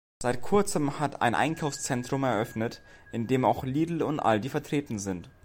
Seit kurzem hat ein Einkaufszentrum eröffnet, in dem auch Lidl und Aldi vertreten sind.